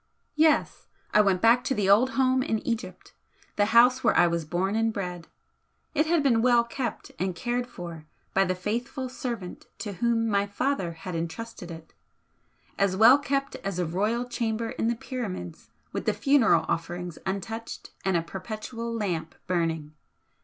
"Yes. I went back to the old home in Egypt the house where I was born and bred. It had been well kept and cared for by the faithful servant to whom my father had entrusted it as well kept as a Royal Chamber in the Pyramids with the funeral offerings untouched and a perpetual lamp burning.